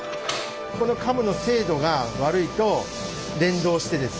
このカムの精度が悪いと連動してですね